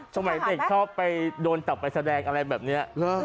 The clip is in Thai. ช่วงใหม่เด็กต้องไปดวนตอบไปแสดงอะไรแบบนี้